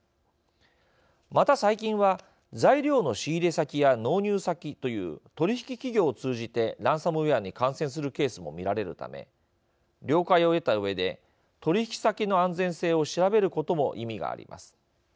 また、最近は、材料の仕入れ先や納入先という取引企業を通じてランサムウエアに感染するケースも見られるため了解を得たうえで取引先の安全性を調べることも意味があります。